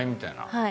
はい。